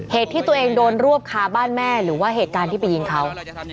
เหตุที่ตัวเองโดนรวบคาบ้านแม่หรือว่าเหตุการณ์ที่ไปยิงเขา